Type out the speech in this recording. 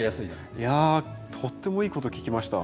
いやとってもいいこと聞きました。